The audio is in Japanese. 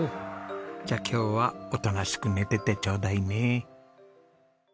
じゃあ今日はおとなしく寝ててちょうだいね。